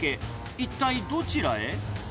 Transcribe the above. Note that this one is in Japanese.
一体どちらへ？